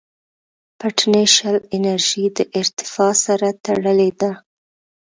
پټنشل انرژي د ارتفاع سره تړلې ده.